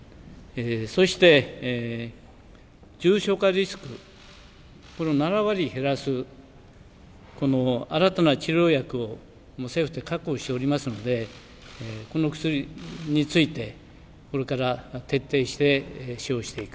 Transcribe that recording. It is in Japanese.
そして、重症化リスクこれを７割減らす新たな治療薬も政府で確保しておりますのでこの薬についてこれから徹底して使用していく。